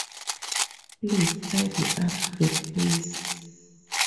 Please tidy up the place.